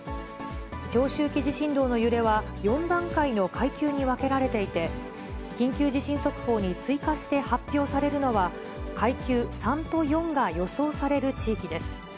長周期地震動の揺れは、４段階の階級に分けられていて、緊急地震速報に追加して発表されるのは、階級３と４が予想される地域です。